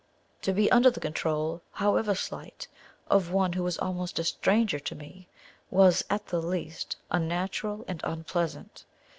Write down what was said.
To be under the control, however slight, of one who was almost a stranger to me, was, at the least, unnatural and unpleasant.